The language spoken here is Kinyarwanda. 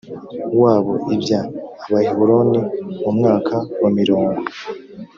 wabo ibya abaheburoni mu mwaka wa mirongo